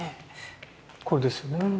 これですよね。